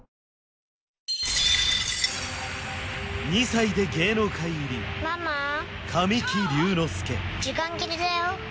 ２歳で芸能界入り神木隆之介時間切れだよ